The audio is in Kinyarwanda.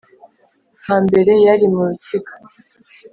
hambere yari mu rukiga,